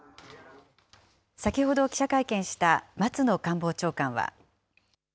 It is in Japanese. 先ほど、記者会見した松野官房長官は。